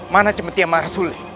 mana cemeti yang marah sulih